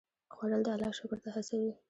خوړل د الله شکر ته هڅوي